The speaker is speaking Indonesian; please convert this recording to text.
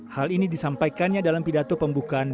hal ini disampaikannya dalam pidato pembukaan